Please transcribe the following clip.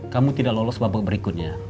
kamu tidak lolos babak berikutnya